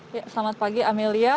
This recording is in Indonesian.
selamat pagi amelia